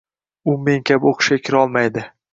U men kabi o‘qishga kirolmaydi.